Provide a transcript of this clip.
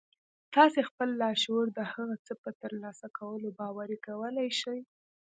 تاسې خپل لاشعور د هغه څه په ترلاسه کولو باوري کولای شئ